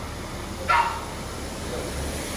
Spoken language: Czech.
Předsedou strany se stal Leo Pastor.